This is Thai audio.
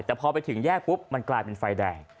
แต่พอไปถึงแยกปุ๊บมันกลายเป็นไฟแดง